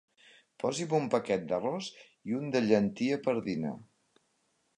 Posi'm un paquet d'arròs i un de llentia pardina.